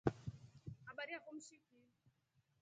Habari yafo mshiki.